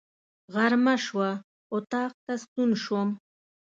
غرمه شوه، اطاق ته ستون شوم.